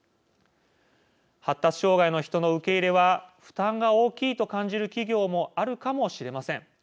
発達障害の人の受け入れは負担が大きいと感じる企業もあるかもしれません。